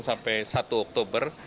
sampai satu oktober